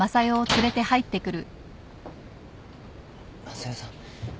・昌代さん。